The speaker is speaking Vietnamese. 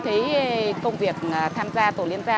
thấy công việc tham gia tổ liên gia